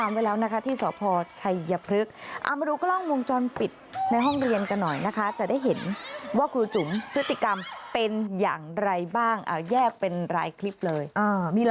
อ่อมีหลายคลิปมากนะครูผู้ชม